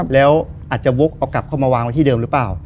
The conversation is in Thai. แล้วอาจจะวกเอากลับเข้ามาวางไว้ที่เดิมหรือเปล่า